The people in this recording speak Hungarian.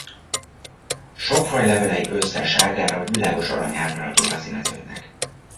Sok faj levelei ősszel sárgára vagy világos arany árnyalatúvá színeződnek.